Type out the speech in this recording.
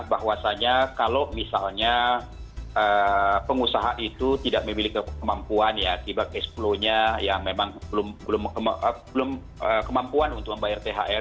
bahwasanya kalau misalnya pengusaha itu tidak memiliki kemampuan ya akibat cash flow nya yang memang belum kemampuan untuk membayar thr